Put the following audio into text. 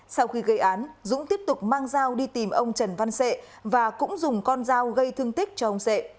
sau khi gây án dũng tiếp tục mang dao đi tìm ông trần văn sệ và cũng dùng con dao gây thương tích cho ông sệ